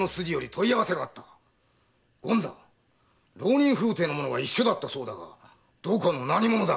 権三浪人風体の者が一緒だったそうだがどこの何者だ？